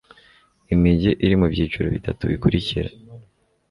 Imijyi iri mu byiciro bitatu bikurikira